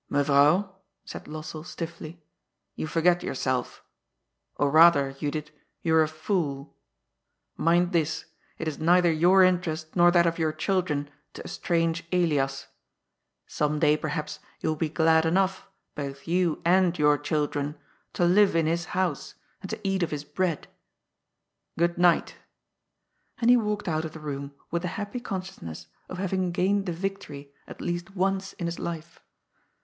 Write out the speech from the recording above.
"Mevrouw," said Lossell stiffly, "you forget yourself. Or rather, Judith, you are a fool. Mind this, it is neither your interest, nor that of your children, to estrange Elias. Some day, perhaps, you will be glad enough, both you and your children, to live in his house, and to eat of his bread. Good night" — and he walked out of the room with the happy consciousness of haying gained the yictory at least once in his life.